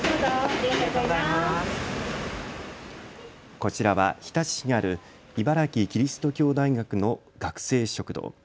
こちらは日立市にある茨城キリスト教大学の学生食堂。